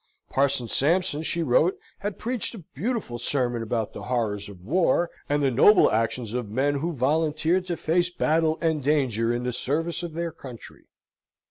Parson Sampson, she wrote, had preached a beautiful sermon about the horrors of war, and the noble actions of men who volunteered to face battle and danger in the service of their country.